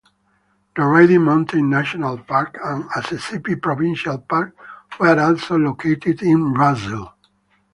The Riding Mountain National Park and Asessippi Provincial Park were also located in Russell.